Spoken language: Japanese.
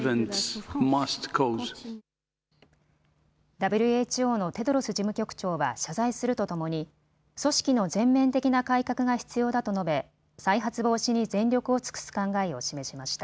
ＷＨＯのテドロス事務局長は謝罪するとともに組織の全面的な改革が必要だと述べ再発防止に全力を尽くす考えを示しました。